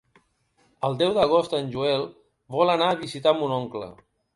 El deu d'agost en Joel vol anar a visitar mon oncle.